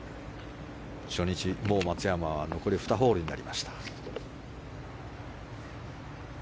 初日、松山は残り２ホールになりました。